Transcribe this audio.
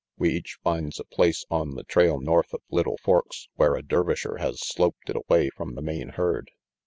We each finds a place on the trail north of Little Forks where a Dervisher has sloped it away from the main herd.